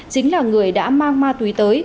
chính là người đã mang ma túy tới